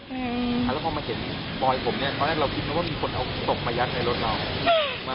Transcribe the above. ปล่อยผมเนี่ยเพราะแรกเราคิดว่ามีคนเอาศพมายัดในรถเรา